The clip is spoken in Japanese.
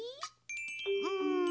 うん。